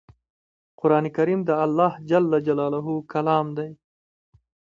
قران کریم د الله ج کلام دی